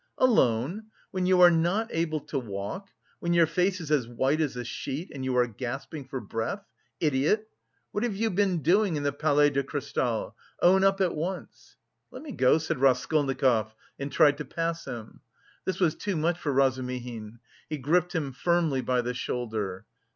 "Alone? When you are not able to walk, when your face is as white as a sheet and you are gasping for breath! Idiot!... What have you been doing in the Palais de Cristal? Own up at once!" "Let me go!" said Raskolnikov and tried to pass him. This was too much for Razumihin; he gripped him firmly by the shoulder.